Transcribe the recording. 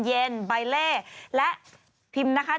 เย็นใบเล่และพิมพ์นะคะ